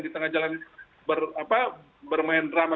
di tengah jalan bermain drama